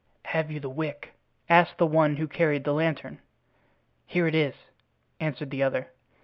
"Have you the wick?" asked the one who carried the lantern. "Here it is," answered the other.